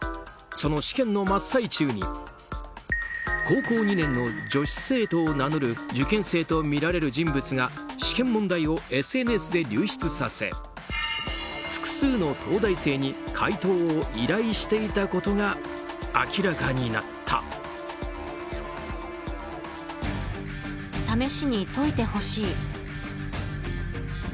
その試験の真っ最中に高校２年の女子生徒を名乗る受験生とみられる人物が試験問題をＳＮＳで流出させ複数の東大生に解答を依頼していたことが明らかになった。